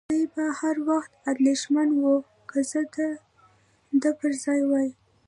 خو دی به هر وخت اندېښمن و، که زه د ده پر ځای وای.